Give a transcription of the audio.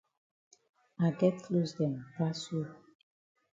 I get closs dem pass you.